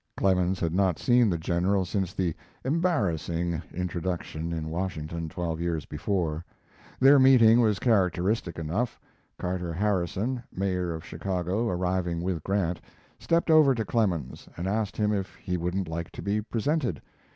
Clemens had not seen the General since the "embarrassing" introduction in Washington, twelve years before. Their meeting was characteristic enough. Carter Harrison, Mayor of Chicago, arriving with Grant, stepped over to Clemens, and asked him if he wouldn't like to be presented.